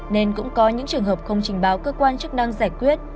nên cũng có những trường hợp không trình báo cơ quan chức năng giải quyết